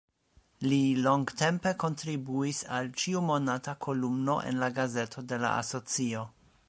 Li longtempe kontribuis al ĉiumonata kolumno en la gazeto de la asocio.